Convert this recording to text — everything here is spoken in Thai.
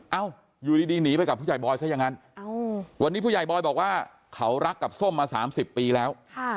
เอ้าอยู่ดีหนีไปกับผู้ใหญ่บอยซะอย่างนั้นวันนี้ผู้ใหญ่บอยบอกว่าเขารักกับส้มมา๓๐ปีแล้ว